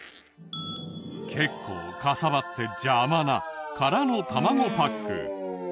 結構かさばって邪魔な空の卵パック。